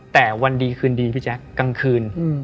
แต่วันดีคืนดีพี่แจ๊คกลางคืน